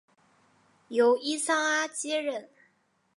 由伊桑阿接任。